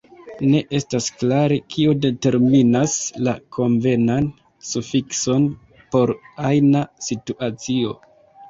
Ne estas klare kio determinas la konvenan sufikson por ajna situacio.